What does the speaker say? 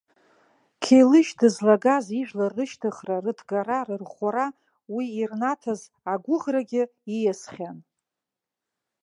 Қьелышь дызлагаз ижәлар рышьҭыхра, рыҭгара, рырӷәӷәара, уи ирнаҭаз агәыӷрагьы ииасхьан.